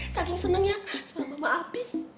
saking seneng ya suara mama abis